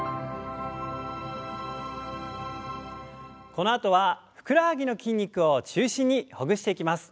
このあとはふくらはぎの筋肉を中心にほぐしていきます。